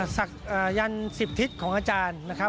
ศักดิ์ยันต์สิบทิศของอาจารย์นะครับ